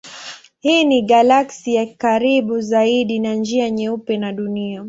Hii ni galaksi ya karibu zaidi na Njia Nyeupe na Dunia.